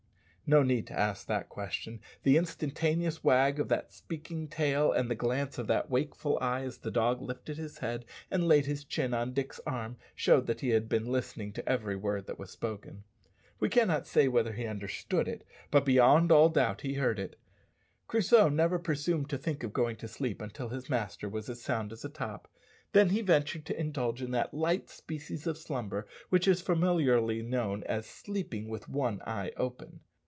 No need to ask that question. The instantaneous wag of that speaking tail and the glance of that wakeful eye, as the dog lifted his head and laid his chin on Dick's arm, showed that he had been listening to every word that was spoken. We cannot say whether he understood it, but beyond all doubt he heard it. Crusoe never presumed to think of going to sleep until his master was as sound as a top, then he ventured to indulge in that light species of slumber which is familiarly known as "sleeping with one eye open."